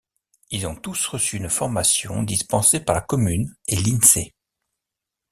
Ils ont tous reçu une formation, dispensée par la commune et l'Insee.